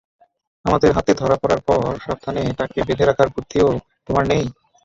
আমাদের হাতে ধরা পড়ার পর সাবধানে তাকে বেঁধে রাখার বুদ্ধিও তোমার নেই?